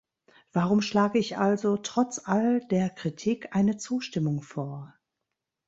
Warum schlage ich also, trotz all der Kritik, eine Zustimmung vor?